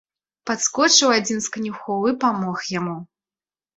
Падскочыў адзін з канюхоў і памог яму.